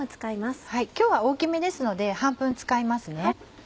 今日は大きめですので半分使いますね。